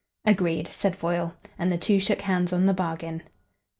"Agreed," said Foyle, and the two shook hands on the bargain.